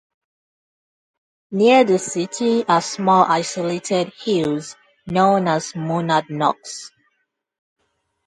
Near the city are small isolated hills known as monadnocks.